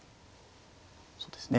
そうですね。